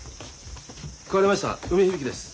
代わりました梅響です。